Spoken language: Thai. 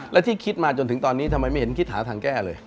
และที่คิดมาจนถึงตอนนี้ทำไมไม่เห็นคิดหาทางแก้เลย